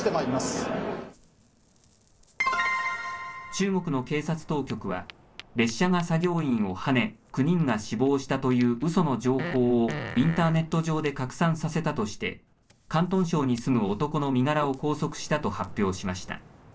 中国の警察当局は、列車が作業員をはね、９人が死亡したといううその情報を、インターネット上で拡散させたとして、広東省に住む男の身柄を拘束したと発表しました。